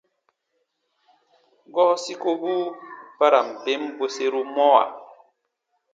Gɔɔ sikobu ba ra n ben bweseru mɔwa.